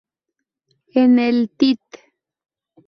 En el "tit.